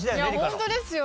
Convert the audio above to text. いやホントですよ。